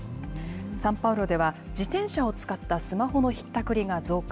サンパウロでは、自転車を使ったスマホのひったくりが増加。